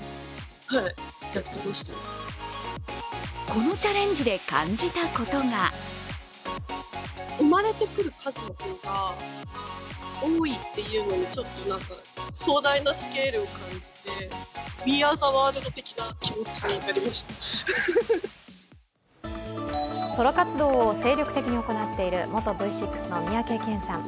このチャレンジで感じたことがソロ活動を精力的に行っている元Ｖ６の三宅健さん。